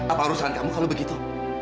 apa urusan kamu kalau begitu